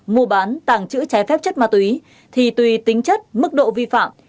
mua bán tàng trữ trái phép chất ma túy thì tùy tính chất mức độ vi phạm